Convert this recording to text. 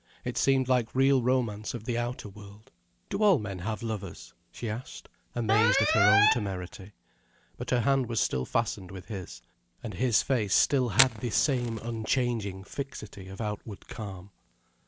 It seemed like real romance of the outer world. "Do all men have lovers?" she asked, amazed at her own temerity. But her hand was still fastened with his, and his face still had the same unchanging fixity of outward calm.